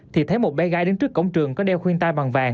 thì thấy một bé gái đứng trước cổng trường có đeo khuyên tai bằng vàng